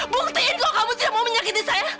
buktiin loh kamu tidak mau menyakiti saya